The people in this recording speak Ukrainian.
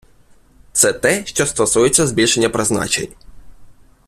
Це те, що стосується збільшення призначень.